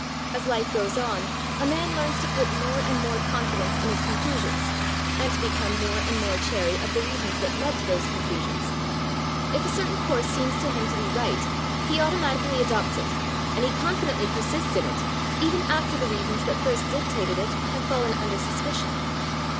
As life goes on, a man learns to put more and more confidence in his conclusions, and to become more and more chary of the reasons that led to those conclusions. If a certain course seems to him to be right, he automatically adopts it, and he confidently persists in it even after the reasons that first dictated it have fallen under suspicion.